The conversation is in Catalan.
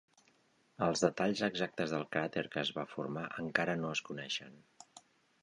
Els detalls exactes del cràter que es va formar encara no es coneixen.